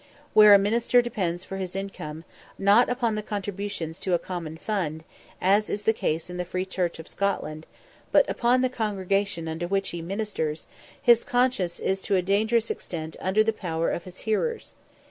Where a minister depends for his income, not upon the contributions to a common fund, as is the case in the Free Church of Scotland, but upon the congregation unto which he ministers, his conscience is to a dangerous extent under the power of his hearers.